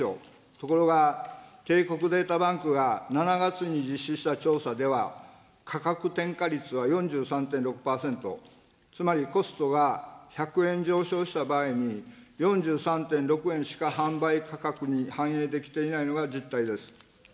ところが、帝国データバンクが７月に実施した調査では、価格転嫁率は４３．６％、つまりコストが１００円上昇した場合に、４３．６円しか販売価格に反映できていないのが実態です。